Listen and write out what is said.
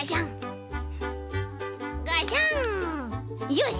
よし。